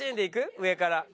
上から。